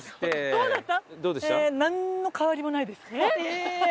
どうだった？